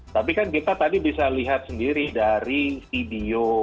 tapi kan kita tadi bisa lihat sendiri dari video